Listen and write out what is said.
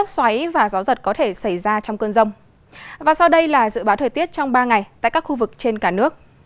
xin chào các bạn